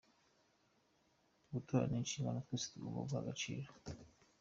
Gutora ni inshingano twese tugomba guha agaciro.